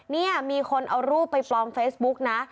นี่มีคนเอารูปไปปลอมเฟซบุ๊กนะ